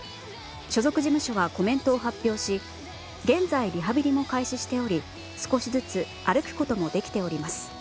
所属事務所は、コメントを発表し現在、リハビリも開始しており少しずつ歩くこともできております。